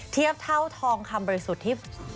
เทียบเท่าทองคำบริสุทธิ์ที่